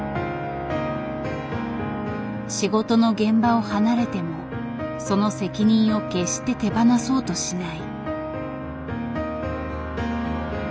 仕事の現場を離れてもその責任を決して手放そうとしない。